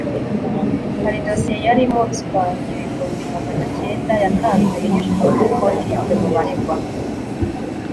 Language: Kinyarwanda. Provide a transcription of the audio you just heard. hari dosiye yarimo ruswa y’ibihumbi magana acyenda yatanzwe inyujijwe kuri konti y’umwe mu baregwa